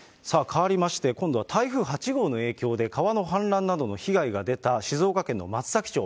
変わりまして、今度は台風８号の影響で、川の氾濫などの被害が出た、静岡県の松崎町。